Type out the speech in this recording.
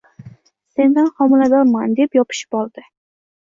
Sendan homiladorman, deb yopishib oldi